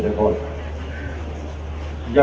กันอยากจะเรียนพี่น้องว่า